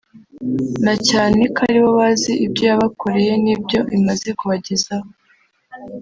na cyane ko aribo bazi ibyo yabakoreye n’ibyo imaze kubagezaho